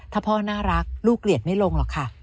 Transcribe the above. ถ้าพ่อน่ารักลูกเกลียดไม่ลงหรอกค่ะ